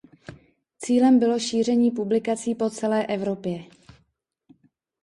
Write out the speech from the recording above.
Cílem bylo šíření publikací po celé Evropě.